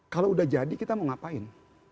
kalau udah jadi kita mau ngapain